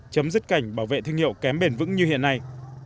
chấm dứt cảnh bảo vệ thương hiệu kém bền vững như hiện nay